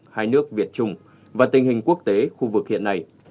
hai nước việt trung và tình hình quốc tế khu vực hiện nay